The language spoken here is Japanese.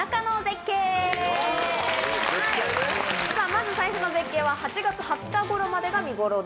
まず最初の絶景は８月２０日ごろまでが見頃です。